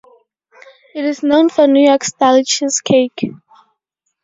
It is known for New York Style cheesecake.